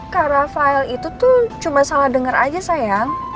kak rafael itu tuh cuma salah denger aja sayang